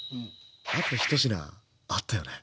あとひと品あったよね。